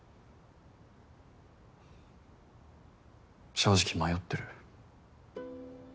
正直迷ってる。